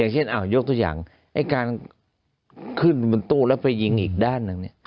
เช่นยกตัวอย่างไอ้กลางขึ้นตู้ไปยิงอีกด้านหนึ่ง